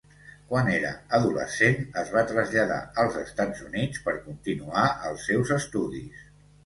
Quan era adolescent, es va traslladar als Estats Units per continuar els seus estudis.